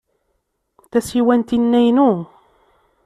Tasiwant-inna inu.